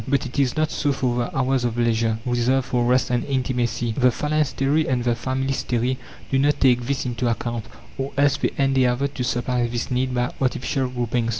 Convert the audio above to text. But it is not so for the hours of leisure, reserved for rest and intimacy. The phalanstery and the familystery do not take this into account, or else they endeavour to supply this need by artificial groupings.